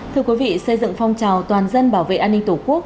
thưa quý vị xây dựng phong trào toàn dân bảo vệ an ninh tổ quốc